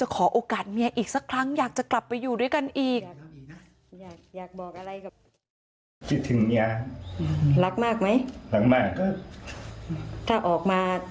ขอโอกาสเมียอีกสักครั้งอยากจะกลับไปอยู่ด้วยกันอีก